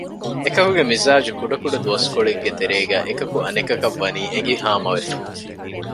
އެކަކުގެ މިޒާޖު ކުޑަ ކުޑަ ދުވަސްކޮޅެއްގެ ތެރޭގައި އެކަކު އަނެކަކަށް ވަނީ އެނގި ހާމަވެފަ